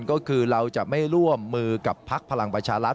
ก็คือเราจะไม่ร่วมมือกับพักพลังประชารัฐ